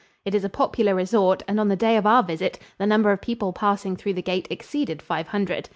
It is a popular resort, and on the day of our visit the number of people passing through the gate exceeded five hundred.